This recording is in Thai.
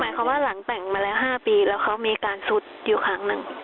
หมายความว่าหลังแต่งมาแล้ว๕ปีแล้วเขามีการซุดอยู่ครั้งหนึ่ง